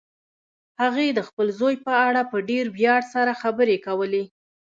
هغې د خپل زوی په اړه په ډېر ویاړ سره خبرې کولې